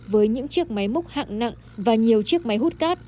với những chiếc máy múc hạng nặng và nhiều chiếc máy hút cát